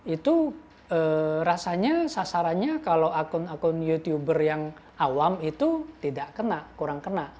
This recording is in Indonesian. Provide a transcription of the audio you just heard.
itu rasanya sasarannya kalau akun akun youtuber yang awam itu tidak kena kurang kena